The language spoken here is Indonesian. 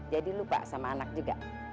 jadi lu pak sama anak juga